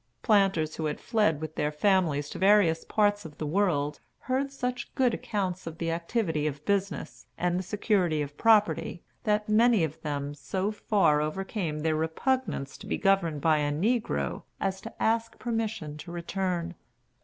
Planters, who had fled with their families to various parts of the world heard such good accounts of the activity of business, and the security of property, that many of them so far overcame their repugnance to be governed by a negro as to ask permission to return.